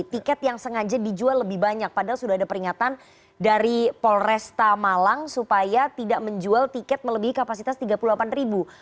tiket yang sengaja dijual lebih banyak padahal sudah ada peringatan dari polresta malang supaya tidak menjual tiket melebihi kapasitas tiga puluh delapan ribu